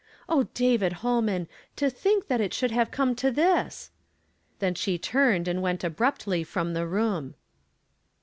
O David Holman! to think that it should have come to this !" Then she turned and went abruptly from the rooni